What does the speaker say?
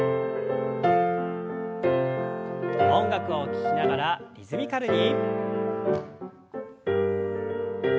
音楽を聞きながらリズミカルに。